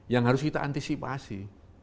yang harus kita antisipasi